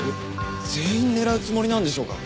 全員狙うつもりなんでしょうか？